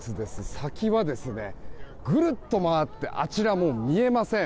先はぐるっと回ってあちら、もう見えません。